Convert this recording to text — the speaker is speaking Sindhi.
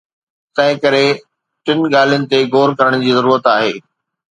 تنهنڪري ٽن ڳالهين تي غور ڪرڻ ضروري آهي.